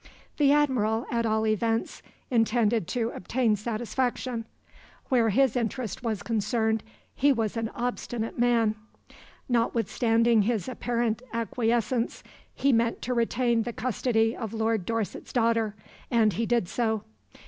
The Admiral, at all events, intended to obtain satisfaction. Where his interest was concerned he was an obstinate man. Notwithstanding his apparent acquiescence, he meant to retain the custody of Lord Dorset's daughter, and he did so.